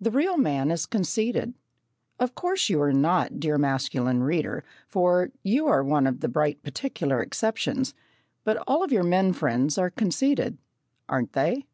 The real man is conceited. Of course you are not, dear masculine reader, for you are one of the bright particular exceptions, but all of your men friends are conceited aren't they?